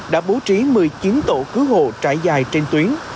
đã bố trí một mươi chín tổ cứu hộ trải dài trên tuyến